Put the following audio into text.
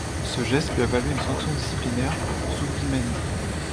Ce geste lui a valu une sanction disciplinaire pour Zubimendi.